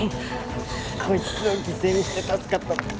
こいつを犠牲にして助かったのか。